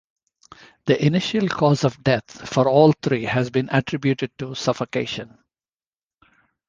The initial cause of death for all three has been attributed to suffocation.